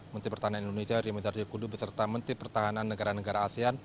menteri pertahanan indonesia ria mizar jakudu beserta menteri pertahanan negara negara asean